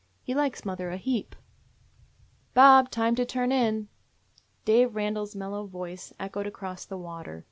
He likes mother a heap." "Bob! Time to turn in!" Dave Randall's mellow voice echoed across the water.